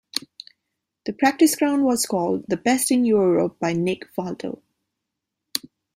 The practice ground was called the best in Europe by Nick Faldo.